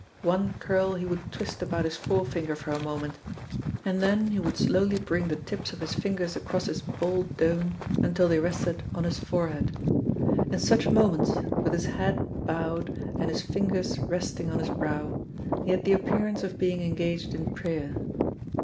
One curl he would twist about his forefinger for a moment, and then he would slowly bring the tips of his fingers across his bald dome until they rested on his forehead. In such moments, with his head bowed and his fingers resting on his brow, he had the appearance of being engaged in prayer.